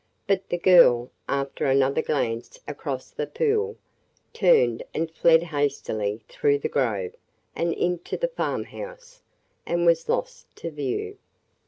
But the girl, after another glance across the pool, turned and fled hastily through the grove and into the farm house and was lost to view.